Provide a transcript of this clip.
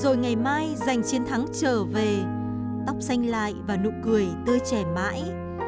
rồi ngày mai giành chiến thắng trở về tóc xanh lại và nụ cười tươi trẻ mãi